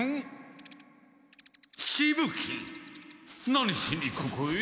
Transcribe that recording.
何しにここへ？